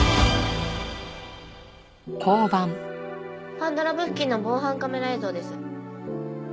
パンダラブ付近の防犯カメラ映像です。